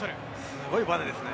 すごいバネですね。